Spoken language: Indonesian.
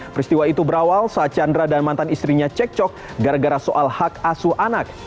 peristiwa itu berawal saat chandra dan mantan istrinya cekcok gara gara soal hak asuh anak